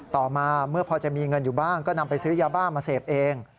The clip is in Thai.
ต่อมาเมื่อพอจะมีเงินอยู่บ้างก็นำไปซื้อยาบ้ามาเสพเอง